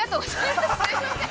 すいません。